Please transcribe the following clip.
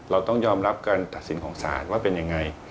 เราต้องยอมรับการตัดสินของศาลว่าเป็นยังไง